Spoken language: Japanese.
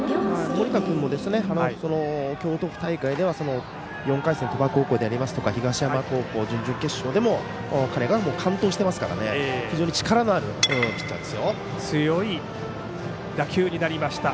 森田君も京都府大会では４回戦、鳥羽高校でありますとか東山高校、準々決勝でも彼が完投していますから非常に力のあるピッチャーですよ。